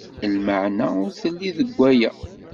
Lmeɛna ur telli deg aya.